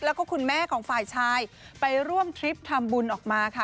แล้วก็คุณแม่ของฝ่ายชายไปร่วมทริปทำบุญออกมาค่ะ